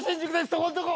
そこんとこ。